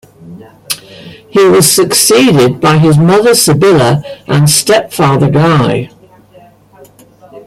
He was succeeded by his mother Sibylla and stepfather Guy.